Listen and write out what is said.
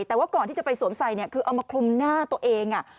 แต่ว่าก่อนที่จะไปสวมใส่เนี่ยคือเอามาคลุมหน้าตัวเอง